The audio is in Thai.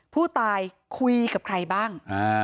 ผู้ตายคุยกับใครบ้าง